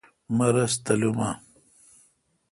مہ رس تلم اؘ۔